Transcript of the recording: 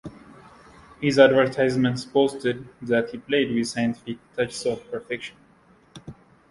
His advertisements boasted that he played with "scientific touches of perfection".